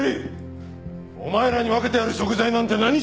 お前らに分けてやる食材なんて何一つない。